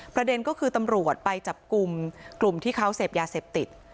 ประเด็นก็คือตำรวจไปจับกลุ่มกลุ่มที่เขาเสพยาเสพติด